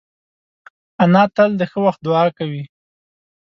انا تل د ښه وخت دعا کوي